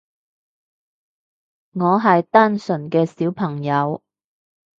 我係單純嘅小朋友